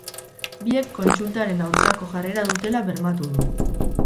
Biek kontsultaren aurkako jarrera dutela bermatu du.